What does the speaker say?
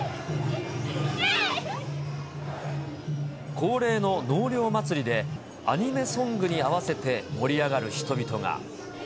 恒例の納涼祭りで、アニメソングに合わせて盛り上がる人々が。